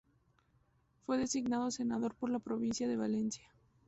Fue designado senador por la provincia de Valencia.